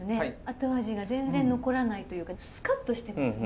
後味が全然残らないというかスカッとしてますね。